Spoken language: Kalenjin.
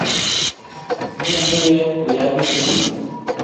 ne neyoe kuyaakitu biik?